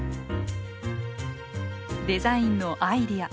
デザインのアイデア。